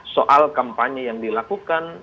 soal kampanye yang dilakukan